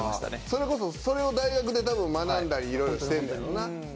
それこそそれを大学で多分学んだりいろいろしてんねやろな。